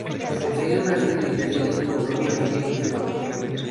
Posee una serie de filiales en Polonia, Hungría y Eslovaquia.